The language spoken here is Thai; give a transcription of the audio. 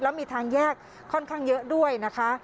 แล้วมีทางแยกค่อนข้างเยอะด้วยนะคะ